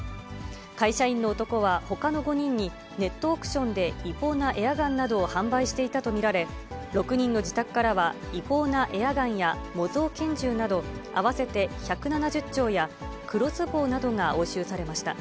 会社員の男は、ほかの５人にネットオークションで違法なエアガンなどを販売していたと見られ、６人の自宅からは、違法なエアガンや模造拳銃など、合わせて１７０丁や、クロスボウなどが押収されました。